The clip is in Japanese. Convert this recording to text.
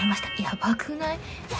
やばくない？